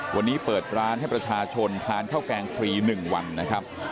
วันนี้เปิดร้านให้ประชาชนทานข้าวแกงฟรี๑วันนะครับ